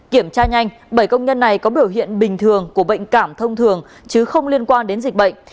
kiểm tra nhanh bảy công nhân này có biểu hiện bình thường của bệnh cảm thông thường chứ không liên quan đến dịch bệnh